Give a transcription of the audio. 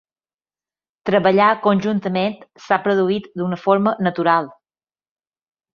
Treballar conjuntament s’ha produït d’una forma natural.